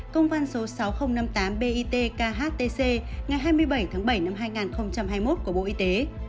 công văn số sáu nghìn năm mươi tám bit khtc ngày hai mươi bảy tháng bảy năm hai nghìn hai mươi một của bộ y tế